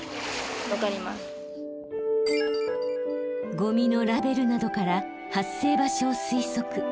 ゴミのラベルなどから発生場所を推測。